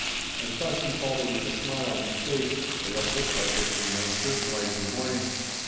And thus he followed with a smile on his face, or what looked like it in the uncertain light of the morning.